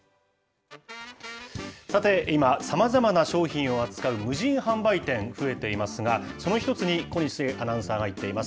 さて今、さまざまな商品を扱う無人販売店、増えていますが、その一つに、小西アナウンサーが行っています。